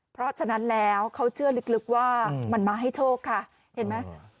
เพราะฉะนั้นแล้วเขาเชื่อลึกว่ามันมาให้โชคค่ะเห็นไหม